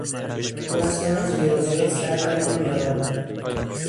او اصلا از ریاضیات سر در نمیآورد.